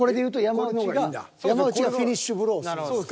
山内がフィニッシュブローっす。